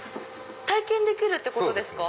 体験できるってことですか？